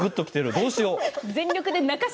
どうしよう。